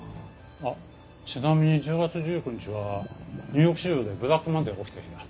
あっちなみに１０月１９日はニューヨーク市場でブラックマンデーが起きた日だ。